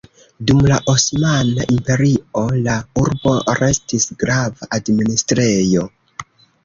Dum la Osmana Imperio la urbo restis grava administrejo.